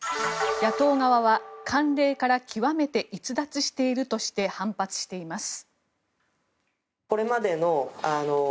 野党側は、慣例から極めて逸脱しているとして反発しています。